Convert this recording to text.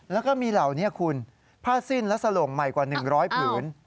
แล้วก็มีเหล่านี้คุณผ้าสิ้นและสโลงใหม่กว่า๑๐๐ผืน